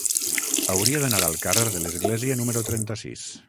Hauria d'anar al carrer de l'Església número trenta-sis.